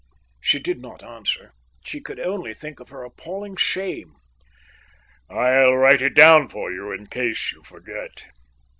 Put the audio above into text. She did not answer. She could only think of her appalling shame. "I'll write it down for you in case you forget."